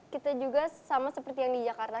kita juga sama seperti yang di jakarta